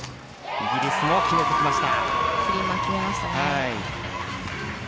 イギリスも決めてきました。